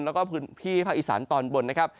แล้วก็พื้นที่ภาคอีสานตอนบนนะครับ